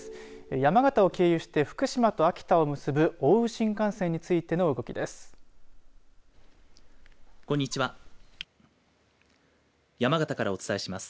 山形を経由して福島と秋田を結ぶ奥羽新幹線についての動きです。